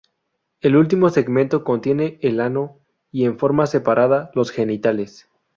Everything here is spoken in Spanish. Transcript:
El último segmento contiene el ano, y en forma separada, los genitales.